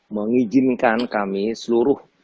mengizinkan kami seluruh